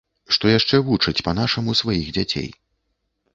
Што яшчэ вучаць па-нашаму сваіх дзяцей.